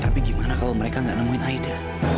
tapi gimana kalau mereka nggak nemuin aida